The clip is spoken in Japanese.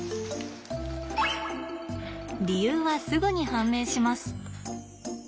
理由はすぐに判明します。